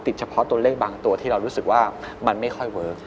เฉพาะตัวเลขบางตัวที่เรารู้สึกว่ามันไม่ค่อยเวิร์ค